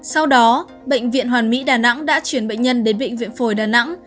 sau đó bệnh viện hoàn mỹ đà nẵng đã chuyển bệnh nhân đến bệnh viện phổi đà nẵng